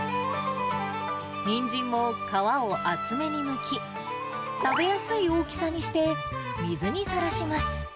ニンジンも皮を厚めにむき、食べやすい大きさにして、水にさらします。